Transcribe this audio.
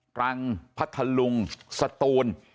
รังพัทธลุงสตูน